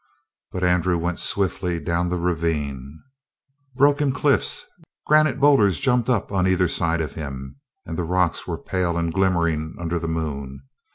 But Andrew went swiftly down the ravine. Broken cliffs, granite boulders jumped up on either side of him, and the rocks were pale and glimmering under the moon.